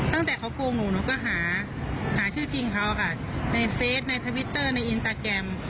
ตั้งแต่เขาโกงหนูหนูก็หาชื่อจริงเขาค่ะในเฟสในทวิตเตอร์ในอินสตาแกรม